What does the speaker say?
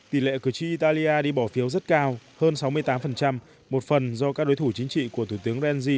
tỷ lệ cử tri italia đi bỏ phiếu rất cao hơn sáu mươi tám một phần do các đối thủ chính trị của thủ tướng brenzi